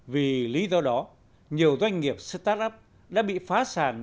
vì lý do đó nhiều doanh nghiệp start up đã bị phá sản